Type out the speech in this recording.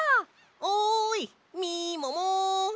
おいみもも！